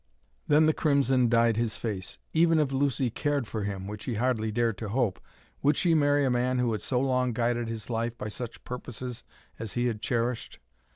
Then the crimson dyed his face. Even if Lucy cared for him, which he hardly dared to hope, would she marry a man who had so long guided his life by such purposes as he had cherished?